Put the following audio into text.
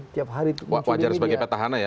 wajar sebagai petahana ya